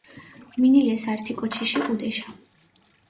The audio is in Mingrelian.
მინილეს ართი კოჩიში ჸუდეშა.